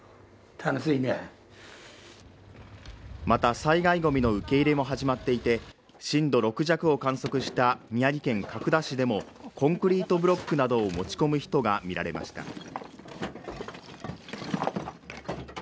また災害ごみの受け入れも始まっていて震度６弱を観測した宮城県角田市でもコンクリートブロックなどを持ち込む人が見られました